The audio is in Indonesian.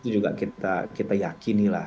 juga kita yakini lah